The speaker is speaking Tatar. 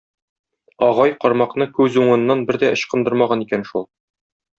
Агай кармакны күз уңыннан бер дә ычкындырмаган икән шул.